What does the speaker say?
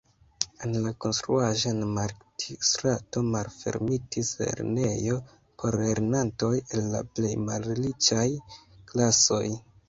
En la konstruaĵo en Markt-strato malfermitis lernejo por lernantoj el la plej malriĉaj klasoj.